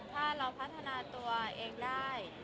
ถ้าเราพัฒนาตัวเองได้